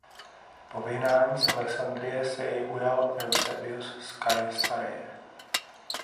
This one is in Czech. Po vyhnání z Alexandrie se jej ujal Eusebius z Kaisareie.